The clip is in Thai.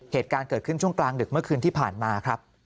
เหตุการณ์เกิดขึ้นช่วงกลางดึกเมื่อคืนที่ผ่านมาครับ